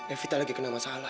evita lagi kena masalah